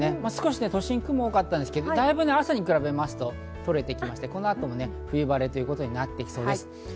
都心、雲が多かったんですけど、朝に比べますと取れてきまして、この後、冬晴れということになってきそうです。